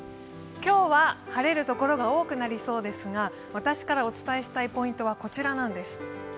今日は晴れる所が多くなりそうですが私からお伝えしたいポイントは、こちらなんです。